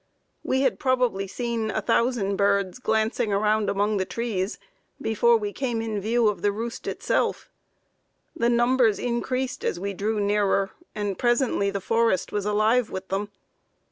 We had probably seen a thousand birds glancing around among the trees, before we came in view of the roost itself. The numbers increased as we drew nearer, and presently the forest was alive with them.